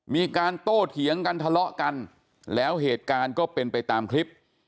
มีการโต้เถียงกันทะเลาะกันแล้วเหตุการณ์ก็เป็นไปตามคลิป